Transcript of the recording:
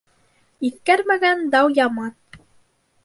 Иҫкәрмәгән дау яман.